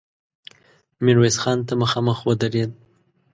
ميرويس خان ته مخامخ ودرېد.